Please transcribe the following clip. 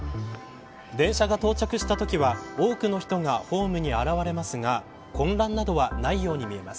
電車が到着したときは多くの人がホームに現れますが混乱などはないように見えます。